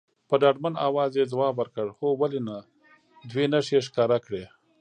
په ډاډمن اواز یې ځواب ورکړ، هو ولې نه، دوې نښې یې ښکاره کړې.